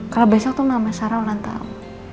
kalo besok tuh sama sarah ulang tahun